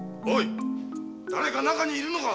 ・だれか中にいるのか！？